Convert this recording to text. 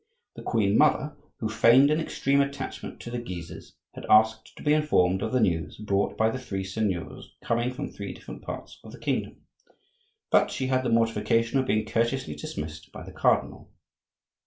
The queen mother, who feigned an extreme attachment to the Guises, had asked to be informed of the news brought by the three seigneurs coming from three different parts of the kingdom; but she had the mortification of being courteously dismissed by the cardinal.